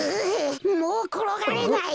もうころがれない。